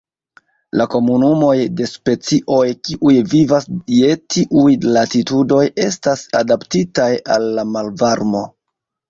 La komunumoj de specioj kiuj vivas je tiuj latitudoj estas adaptitaj al la malvarmo.